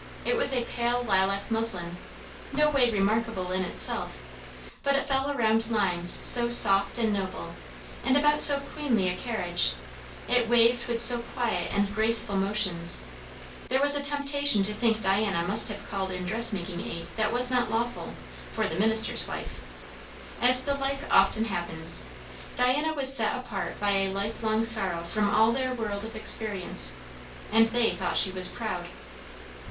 It was a pale lilac muslin, no way remarkable in itself; but it fell around lines so soft and noble, and about so queenly a carriage, it waved with so quiet and graceful motions, there was a temptation to think Diana must have called in dressmaking aid that was not lawful for the minister's wife. As the like often happens, Diana was set apart by a life long sorrow from all their world of experience, and they thought she was proud.